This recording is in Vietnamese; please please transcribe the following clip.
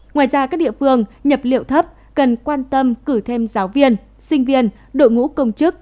ngoài ra các địa phương nhập liệu thấp cần quan tâm cử thêm giáo viên sinh viên đội ngũ công chức